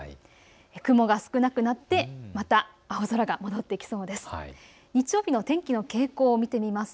雲が少なくなってまた青空が戻ってきそうです。